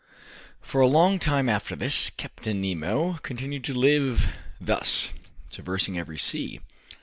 For a long time after this, Captain Nemo continued to live thus, traversing every sea.